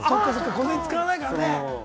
小銭使わないからね。